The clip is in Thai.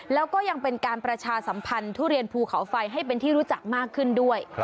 แล้วก็ยังเป็นการประชาสัมพันธ์ทุเรียนภูเขาไฟให้เป็นที่รู้จักมากขึ้นด้วย